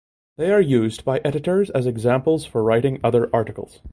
They are used by editors as examples for writing other articles.